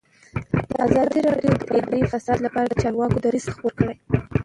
ازادي راډیو د اداري فساد لپاره د چارواکو دریځ خپور کړی.